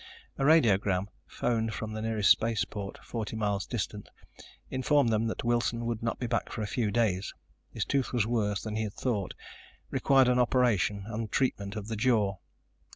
A radiogram, phoned from the nearest spaceport, forty miles distant, informed them that Wilson would not be back for a few days. His tooth was worse than he had thought, required an operation and treatment of the jaw.